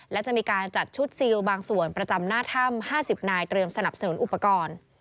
และจะมีการจัดชุดซิลบางส่วนประจำหน้าถ้ำ๕๐นายเตรียมสนับสนุนอุปกรณ์